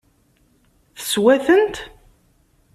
Teswa-tent?